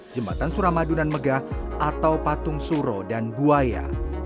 jembatan suramadunan megah atau patung suro dan buaya